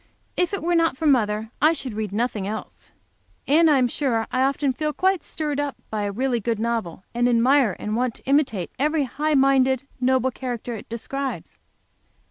If it were not for mother I should read nothing else. And I am sure I often feel quite stirred up by a really good novel, and admire and want to imitate every high minded, noble character it describes.